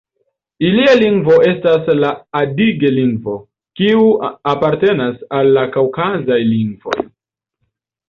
Ilia lingvo estas la adige-lingvo, kiu apartenas al la kaŭkazaj lingvoj.